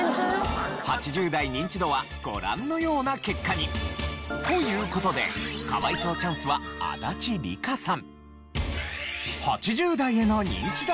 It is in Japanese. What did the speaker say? ８０代ニンチドはご覧のような結果に。という事で可哀想チャンスは足立梨花さん。